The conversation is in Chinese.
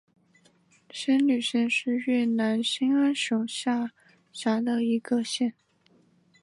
仙侣县是越南兴安省下辖的一个县。